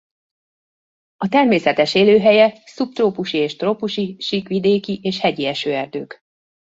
A természetes élőhelye szubtrópusi és trópusi síkvidék- és hegyi esőerdők.